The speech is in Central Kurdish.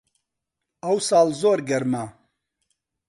ئەوساڵ زۆر گەرمە